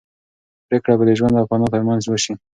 پرېکړه به د ژوند او فنا تر منځ وشي.